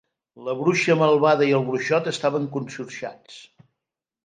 La bruixa malvada i el bruixot estaven conxorxats.